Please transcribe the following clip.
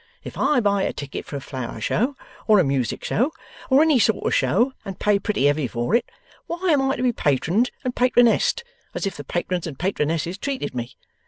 If I buy a ticket for a Flower Show, or a Music Show, or any sort of Show, and pay pretty heavy for it, why am I to be Patroned and Patronessed as if the Patrons and Patronesses treated me?